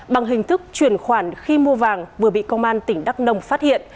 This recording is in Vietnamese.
bằng hình thức chuyển khoản khi mua vàng vừa bị công an tỉnh đắk nông phát hiện